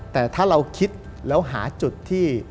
แต่ถ้าเราคิดแล้วหาจุดที่